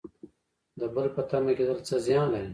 د بل په تمه کیدل څه زیان لري؟